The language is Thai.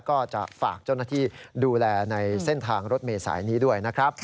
ก็จะฝากเจ้าหน้าที่ดูแลในเส้นทางรถเมษายนี้ด้วยนะครับ